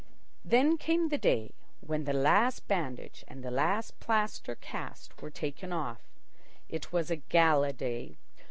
Then came the day when the last bandage and the last plaster cast were taken off. It was a gala day.